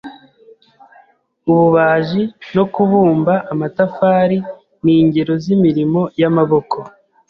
Ububaji no kubumba amatafari ni ingero z'imirimo y'amaboko.